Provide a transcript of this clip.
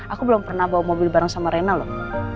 aku belum pernah bawa mobil bareng sama rena loh